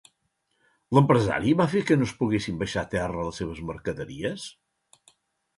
L'empresari va fer que no es poguessin baixar a terra les seves mercaderies?